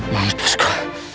maus masuk ke